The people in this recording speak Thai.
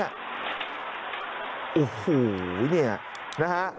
โอ้โฮนี่นะฮะ